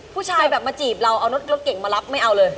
ผู้ชายแบบมาจีบเราเอารถเก่งมารับไม่เอาเลย